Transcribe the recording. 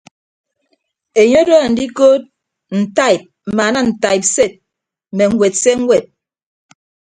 Enye odo andikood ntaib mmaana ntaibsed mme ñwed se ñwed.